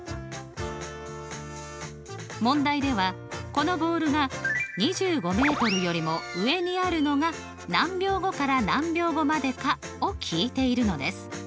問題ではこのボールが２５よりも上にあるのが何秒後から何秒後までかを聞いているのです。